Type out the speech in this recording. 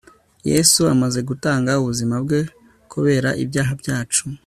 yesu amaze gutanga ubuzima bwe kubera ibyaha byacu